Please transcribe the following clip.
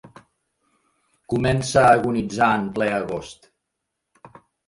Comença a agonitzar en ple agost.